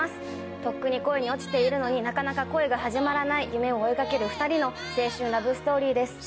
とっくに恋に落ちているのになかなか恋が始まらない夢を追いかける２人の青春ラブストーリーです。